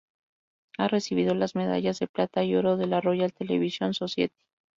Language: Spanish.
Ha recibido las medallas de plata y oro de la Royal Television Society.